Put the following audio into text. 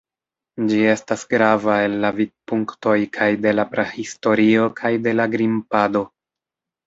Ĝi estas grava el la vidpunktoj kaj de la prahistorio kaj de la grimpado.